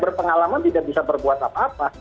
berpengalaman tidak bisa berbuat apa apa